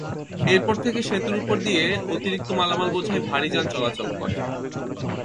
এরপর থেকে সেতুর ওপর দিয়ে অতিরিক্ত মালামাল বোঝাই ভারী যান চলাচল করে।